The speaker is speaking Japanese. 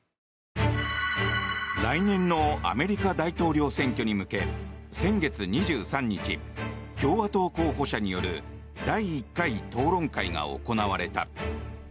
来年のアメリカ大統領選挙に向け先月２３日、共和党候補者による第１回討論会が行われた。